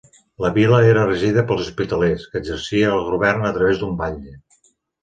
La vila era regida pels hospitalers, que exercia el govern a través d'un batlle.